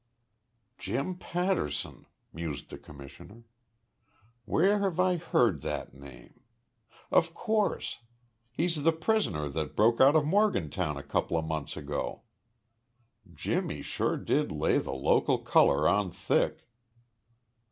"Jim Patterson," mused the commissioner. "Where have I heard that name.... Of course. He's the prisoner that broke out of Morgantown a couple of months ago! Jimmy sure did lay the local color on thick!"